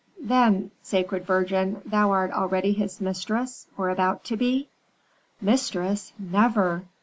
"Then, sacred virgin, thou art already his mistress, or about to be?" "Mistress? Never!